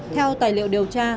theo tài liệu điều tra